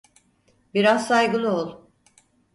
Biraz saygılı ol.